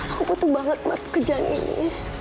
aku butuh banget mas kejang ini